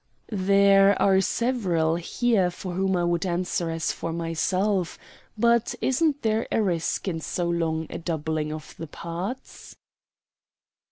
"There are several here for whom I would answer as for myself; but isn't there a risk in so long a doubling of the parts?"